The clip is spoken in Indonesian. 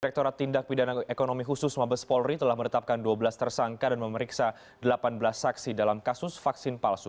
rektorat tindak pidana ekonomi khusus mabes polri telah menetapkan dua belas tersangka dan memeriksa delapan belas saksi dalam kasus vaksin palsu